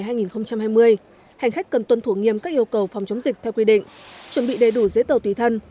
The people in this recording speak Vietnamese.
hành khách cần tuân thủ nghiêm các yêu cầu phòng chống dịch theo quy định chuẩn bị đầy đủ giấy tờ tùy thân